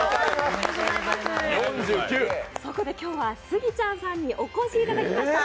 そこで今日はスギちゃんさんにお越しいただきました。